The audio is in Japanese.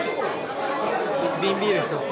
瓶ビール１つ。